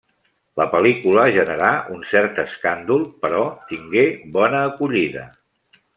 La pel·lícula generà un cert escàndol, però tingué bona acollida.